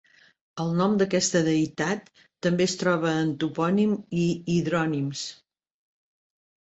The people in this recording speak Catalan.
El nom d'aquesta deïtat també es troba en topònim i hidrònims.